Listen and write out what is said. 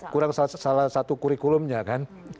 kurang salah satu kurikulumnya kan